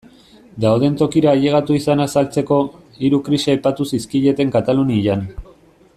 Dauden tokira ailegatu izana azaltzeko, hiru krisi aipatu zizkieten Katalunian.